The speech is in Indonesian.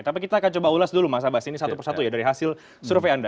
tapi kita akan coba ulas dulu mas abas ini satu persatu ya dari hasil survei anda